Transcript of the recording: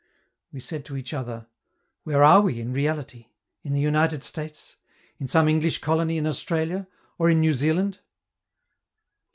We said to each other: "Where are we in reality? In the United States? In some English colony in Australia, or in New Zealand?"